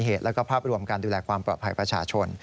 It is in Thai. เหตุและภาพรวมการดูแลความปลอดภัยประชาชน